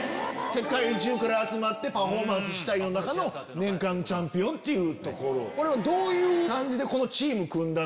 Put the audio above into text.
世界中から集まってパフォーマンス主体の中の年間チャンピオンっていう。